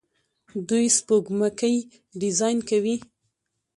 دوی سپوږمکۍ ډیزاین کوي.